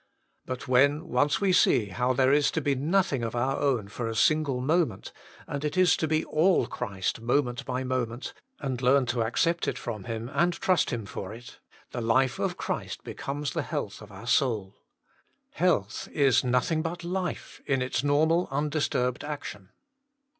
But when once we see how there is to be nothing of our own for a single moment, and it is to be all Christ moment by moment, and learn to accept it from Him and trust Him for it, the life of Christ becomes the health of our soul. Health is nothing but life in its normal, undisturbed action.